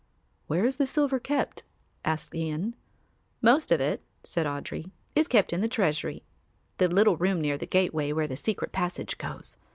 "Where is the silver kept?" asked Ian. "Most of it," said Audry, "is kept in the treasury, the little room near the gateway where the secret passage goes.